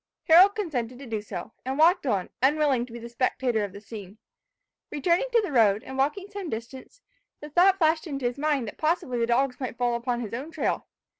Harold consented to do so, and walked on, unwilling to be the spectator of the scene. Returning to the road, and walking some distance, the thought flashed into his mind that possibly the dogs might fall upon his own trail.